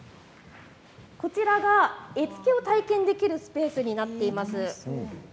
こちらが、絵付けを体験できるスペースになっています。